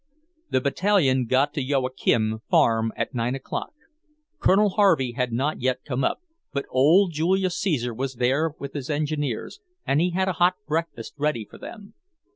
The Battalion got to Joachim farm at nine o'clock. Colonel Harvey had not yet come up, but old Julius Caesar was there with his engineers, and he had a hot breakfast ready for them.